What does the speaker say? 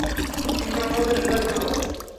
তিনি সম্ভবত নির্বাচিত হবেন।